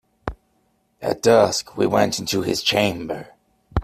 At dusk he went into his chamber.